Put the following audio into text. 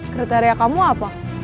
kriteria kamu apa